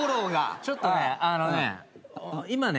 ちょっとね今ね